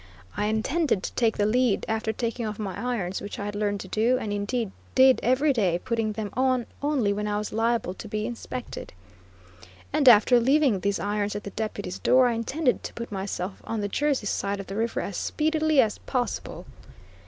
I intended to take the lead, after taking off my irons (which I had learned to do, and indeed, did every day, putting them on only when I was liable to be "inspected") and after leaving these irons at the Deputy's door, I intended to put myself on the Jersey side of the river as speedily as possible.